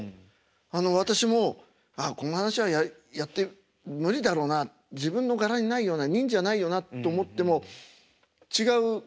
あの私もこの噺はやって無理だろうな自分の柄にないような任じゃないよなと思っても違う